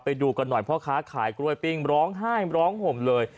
ไปดูกันหน่อยพ่อค้าขายกล้วยปิ้งร้องไห้ร้องห่มเลย